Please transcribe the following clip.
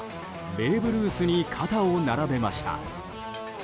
ベーブ・ルースに肩を並べました。